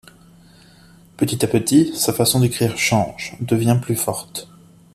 Petit à petit, sa façon d'écrire change, devient plus forte.